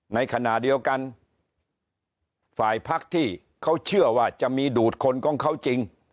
ในขณะเดียวกันฝ่ายพักที่เขาเชื่อว่าจะมีดูดคนของเขาจริง